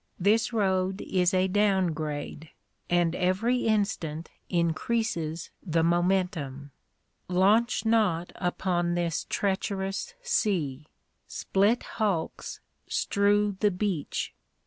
_ This road is a down grade, and every instant increases the momentum. Launch not upon this treacherous sea. Split hulks strew the beach.